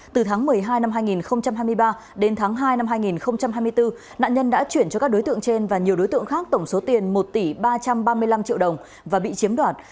từ tháng một mươi hai năm hai nghìn hai mươi ba đến tháng hai năm hai nghìn hai mươi bốn nạn nhân đã chuyển cho các đối tượng trên và nhiều đối tượng khác tổng số tiền một tỷ ba trăm ba mươi năm triệu đồng và bị chiếm đoạt